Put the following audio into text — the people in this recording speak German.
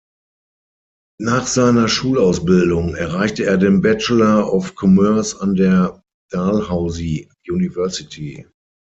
Nach seiner Schulausbildung erreichte er den Bachelor of Commerce an der Dalhousie University.